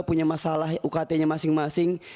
punya masalah ukt nya masing masing